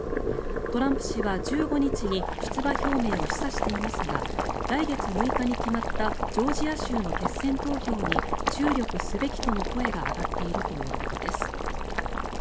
トランプ氏は１５日に出馬表明を示唆していますが来月６日に決まったジョージア州の決選投票に注力すべきとの声が上がっているということです。